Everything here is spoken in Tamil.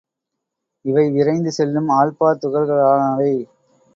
இவை விரைந்து செல்லும் ஆல்பா துகள்களாலானவை.